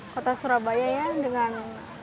kota surabaya ya dengan